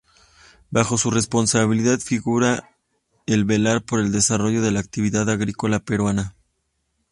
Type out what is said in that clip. Bajo su responsabilidad figura el velar por el desarrollo de la actividad agrícola peruana.